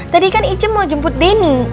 tadi kan ice mau jemput denny